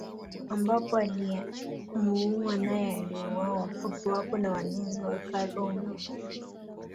Ambapo aliyemuua naye aliuawa papo hapo na walinzi wa Karume